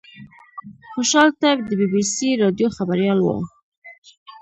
خوشحال طیب د بي بي سي راډیو خبریال و.